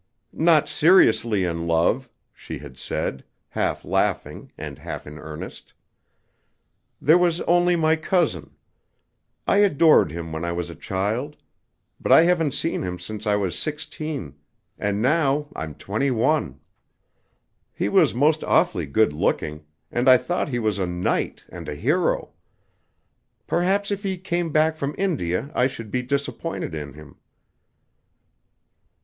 "Not seriously in love," she had said, half laughing, and half in earnest. "There was only my cousin. I adored him when I was child. But I haven't seen him since I was sixteen. And now I'm twenty one. He was most awfully good looking, and I thought he was a knight and a hero. Perhaps if he came back from India I should be disappointed in him."